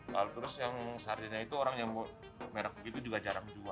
kalau terus yang sardennya itu orang yang merk begitu juga jarang jual